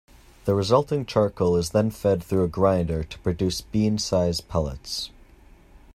The resulting charcoal is then fed through a grinder to produce bean-size pellets.